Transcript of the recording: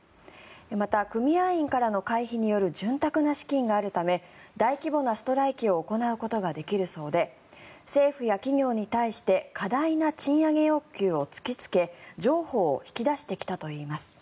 また組合員からの会費による潤沢な資金があるため大規模なストライキを行うことができるそうで政府や企業に対して過大な賃上げ要求を突きつけ譲歩を引き出してきたといいます。